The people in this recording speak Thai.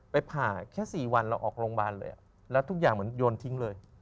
ผ่าแค่๔วันเราออกโรงพยาบาลเลยแล้วทุกอย่างเหมือนโยนทิ้งเลย